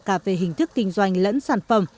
cả về hình thức kinh doanh lẫn sản phẩm